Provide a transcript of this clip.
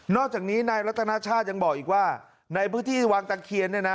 อกจากนี้นายรัฐนาชาติยังบอกอีกว่าในพื้นที่วังตะเคียนเนี่ยนะ